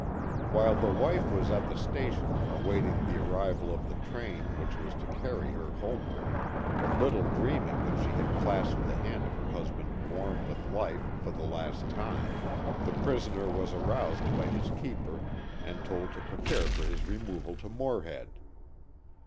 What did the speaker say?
While the wife was at the station awaiting the arrival of the train which was to carry her homeward, little dreaming that she had clasped the hand of her husband warm with life for the last time, the prisoner was aroused by his keeper and told to prepare for his removal to Morehead.